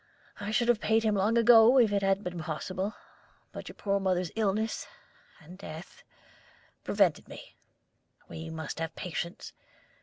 I should have paid him long ago if it had been possible, but your poor mother's illness and death prevented me. We must have patience.